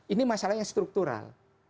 ini masalah yang struktural